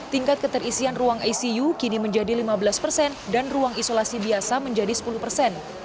tingkat keterisian ruang icu kini menjadi lima belas persen dan ruang isolasi biasa menjadi sepuluh persen